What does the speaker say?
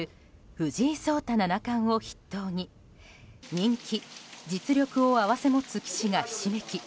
藤井聡太七冠を筆頭に人気・実力を併せ持つ棋士がひしめき